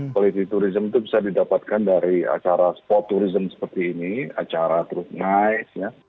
quality tourism itu bisa didapatkan dari acara sport tourism seperti ini acara truk nice ya